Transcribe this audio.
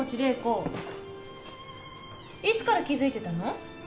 いつから気付いてたの？